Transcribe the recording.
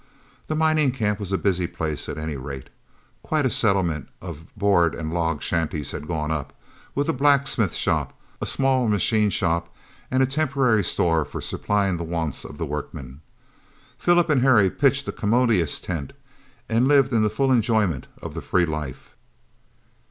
The mining camp was a busy place at any rate. Quite a settlement of board and log shanties had gone up, with a blacksmith shop, a small machine shop, and a temporary store for supplying the wants of the workmen. Philip and Harry pitched a commodious tent, and lived in the full enjoyment of the free life.